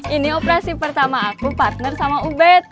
ini operasi pertama aku partner sama ubed